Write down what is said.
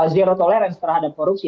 zero tolerance terhadap korupsi